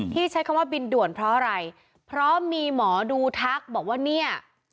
ใช้คำว่าบินด่วนเพราะอะไรเพราะมีหมอดูทักบอกว่าเนี่ย